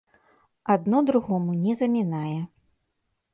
Адно другому не замінае.